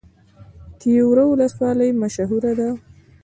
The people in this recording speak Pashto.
تیوره ولسوالۍ مشهوره ده؟